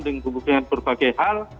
dengan berbagai hal